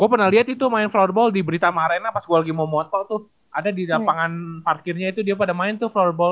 gue pernah lihat itu main floorball di berita sama arena pas gue lagi mau motor tuh ada di lapangan parkirnya itu dia pada main tuh floorball